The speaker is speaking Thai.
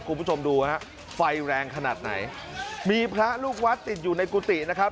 คุณผู้ชมดูฮะไฟแรงขนาดไหนมีพระลูกวัดติดอยู่ในกุฏินะครับ